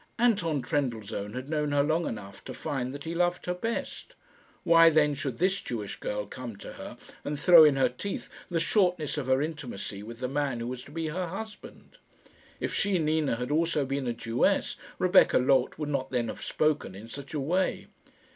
Anton Trendellsohn had known her long enough to find that he loved her best. Why then should this Jewish girl come to her and throw in her teeth the shortness of her intimacy with the man who was to be her husband? If she, Nina, had also been a Jewess, Rebecca Loth would not then have spoken in such a way.